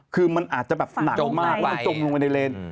คือมันอาจจะหนักมากต้องจมลงไปในเลน่